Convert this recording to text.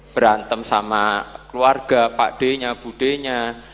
berantem sama keluarga pak d nya bu d nya